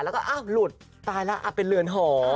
แล้วก็ลุดตายแล้วเป็นเลือนห่อ